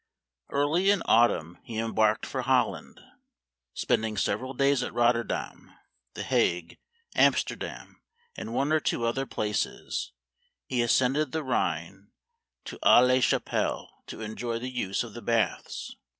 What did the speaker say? Early in autumn he embarked for Holland. Spending several days at Rotter dam, the Hague, Amsterdam, and one or two other places, he ascended the Rhine to Aix la Chapelle to enjoy the use of the baths.